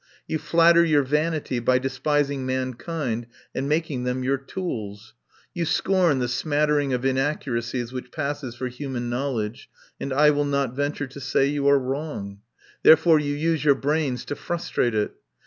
You flatter your vanity by despising mankind and making them your tools. You scorn the smattering of inaccuracies which passes for human knowledge, and I will not venture to say you are wrong. Therefore you use your brains to frustrate it.